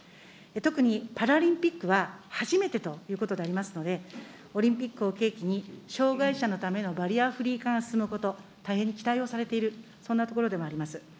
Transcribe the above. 特にパラリンピックは初めてということでありますので、オリンピックを契機に障害者のためのバリアフリー化が進むこと、大変に期待をされている、そんなところでもあります。